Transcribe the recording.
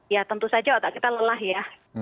ya tentu saja otak kita lelah ya